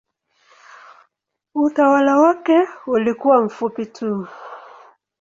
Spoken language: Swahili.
Utawala wake ulikuwa mfupi tu.